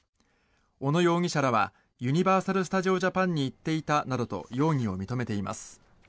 小野容疑者らはユニバーサル・スタジオ・ジャパンに行っていたなどと容疑を認めています。